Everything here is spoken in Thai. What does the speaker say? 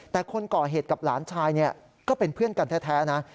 แต่คนก่อเหตุกับหลานชายก็เป็นเพื่อนกันแท้นะ